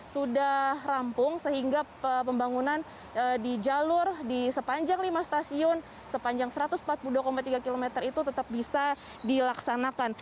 sudah rampung sehingga pembangunan di jalur di sepanjang lima stasiun sepanjang satu ratus empat puluh dua tiga km itu tetap bisa dilaksanakan